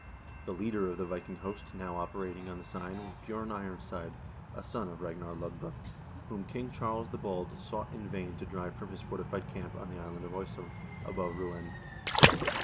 The leader of the Viking host now operating on the Seine was Bj0rn Ironside, a son of Ragnar Lodbrok, whom King Charles the Bald sought in vain to drive from his forti fied camp on the island of Oissel, above Rouen.